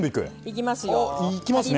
いきますねえ。